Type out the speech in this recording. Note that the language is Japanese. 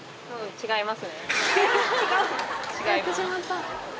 違います。